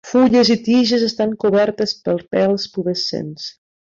Fulles i tiges estan cobertes per pèls pubescents.